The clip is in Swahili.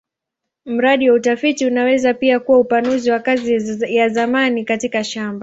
Mradi wa utafiti unaweza pia kuwa upanuzi wa kazi ya zamani katika shamba.